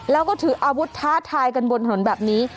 แล้วก็ถืออาวุธท้าทายกันบนถนนแบบนี้